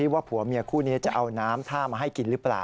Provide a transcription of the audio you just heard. ว่าผัวเมียคู่นี้จะเอาน้ำท่ามาให้กินหรือเปล่า